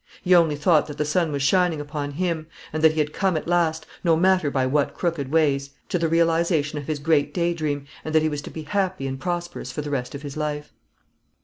He only thought that the sun was shining upon him, and that he had come at last no matter by what crooked ways to the realisation of his great day dream, and that he was to be happy and prosperous for the rest of his life.